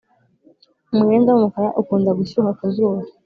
umwenda wumukara ukunda gushyuha kuzuba